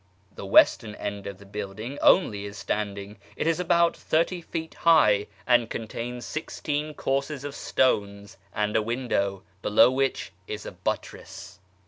The western end of the building only is standing; it is about thirty feet high, and contains sixteen courses of stones, and a window, below which is a buttress.